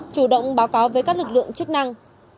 chủ động báo cáo với các lực lượng chức năng